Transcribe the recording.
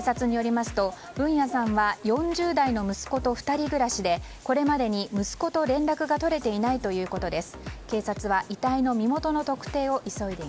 警察によりますとブンヤさんは４０代の息子と２人暮らしでこれまでに息子と連絡が取れていないということです。